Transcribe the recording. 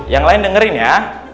yang lain dengerin ya